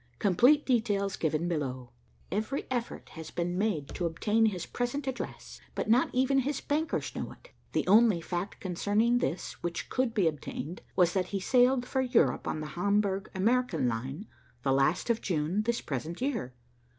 Complete details given below. Every effort has been made to obtain his present address, but not even his bankers know it. The only fact concerning this which could be obtained was that he sailed for Europe on the Hamburg American line, the last of June, this present year.